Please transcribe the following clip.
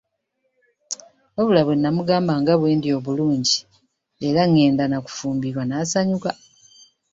Wabula bwe nnamugamba nga bwe ndi obulungi era ngenda na kufumbirwa n'asanyuka.